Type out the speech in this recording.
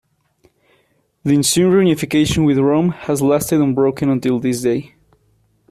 The ensuing reunification with Rome has lasted unbroken until this day.